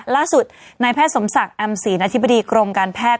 ล่าสุดนายแพทย์สมศักดิ์แอมศีลอธิบดีกรมการแพทย์